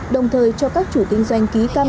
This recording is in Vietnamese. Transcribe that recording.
đồng thời cho các chủ kinh doanh ký cao